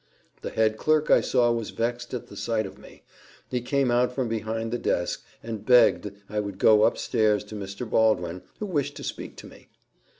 The head clerk I saw was vexed at the sight of me he came out from behind his desk, and begged I would go up stairs to Mr. Baldwin, who wished to speak to me.